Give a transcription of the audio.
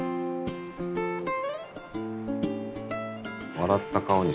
笑った顔に。